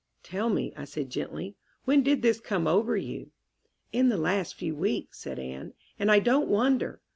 "Tell me," I said gently; "when did this come over you?" "In the last few weeks," said Anne. "And I don't wonder."